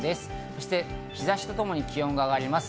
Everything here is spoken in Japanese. そして日差しとともに気温が上がります。